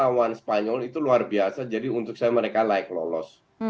jepang melawan spanyol itu luar biasa jadi untuk saya mereka like lolos